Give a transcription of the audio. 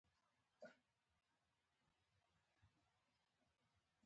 لیک په جواب کې ورته ولیکل.